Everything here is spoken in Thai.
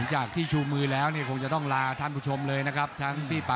น้องเจ้าต้องลาท่านผู้ชมเลยนะครับ